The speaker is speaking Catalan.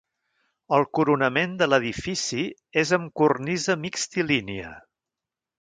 El coronament de l'edifici és amb cornisa mixtilínia.